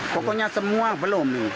pokoknya semua belum